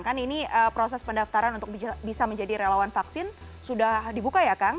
kan ini proses pendaftaran untuk bisa menjadi relawan vaksin sudah dibuka ya kang